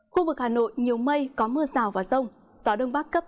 khu vực hà nội nhiều mây có mưa rào và rông gió đông bắc cấp hai ba